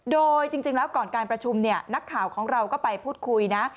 โดยจริงแล้วก่อนการประชุมเนี่ยนักข่าวของเราก็ไปพูดคุยนะ